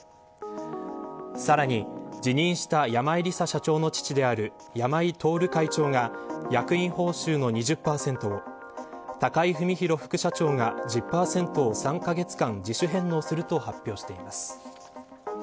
さらに辞任した山井梨沙社長の父である山井太会長が役員報酬の２０％を高井文寛副社長が１０％を３カ月間自主返納すると発表しています。